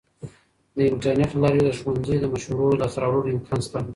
د انټرنیټ له لارې د ښوونځي د مشورو د لاسته راوړلو امکان شته.